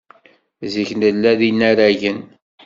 Zik nella d inaragen.